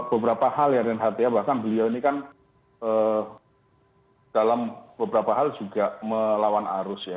beberapa hal ya reinhardt ya bahkan beliau ini kan dalam beberapa hal juga melawan arus ya